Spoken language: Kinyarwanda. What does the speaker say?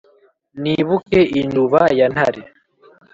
nibuke induba ya ntare,